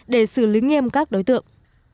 để xử lý nghiêm các đối tượng